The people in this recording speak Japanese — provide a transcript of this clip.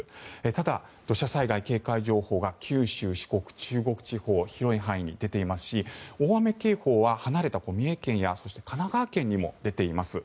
ただ、土砂災害警戒情報が九州、四国、中国地方広い範囲に出ていますし大雨警報は離れた三重県や神奈川県にも出ています。